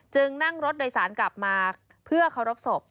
นั่งรถโดยสารกลับมาเพื่อเคารพศพ